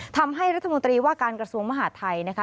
ทำให้รัฐมนตรีว่าการกระทรวงมหาดไทยนะคะ